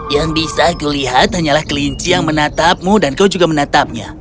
yang bisa aku lihat hanyalah kelinci yang menatapmu dan kau juga menatapnya